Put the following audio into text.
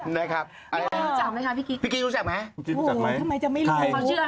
พี่กิร์กรู้จักไหมทำไมจะไม่รู้ชาว